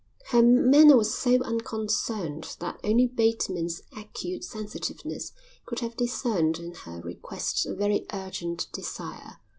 Her manner was so unconcerned that only Bateman's acute sensitiveness could have discerned in her request a very urgent desire.